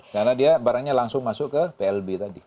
karena dia barangnya langsung masuk ke plb tadi